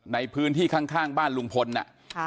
ในพื้นที่ข้างบ้านลุงพลน่ะ